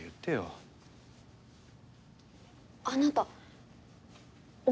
あなた夫？